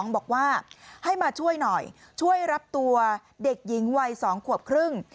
บอกว่าให้มาช่วยหน่อยช่วยรับตัวเด็กหญิงวัย๒ขวบครึ่ง